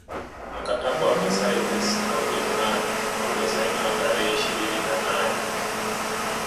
Mkataba wa Versailles na Ujerumani uliosainiwa tarehe ishirini na nae